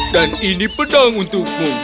dan ini pedang untukmu